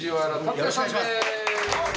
よろしくお願いします！